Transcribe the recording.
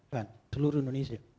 kan seluruh indonesia